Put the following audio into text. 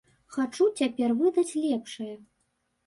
Хачу цяпер выдаць лепшае.